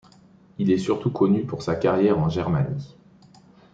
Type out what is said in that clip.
Il est surtout connu pour sa carrière en Germanie.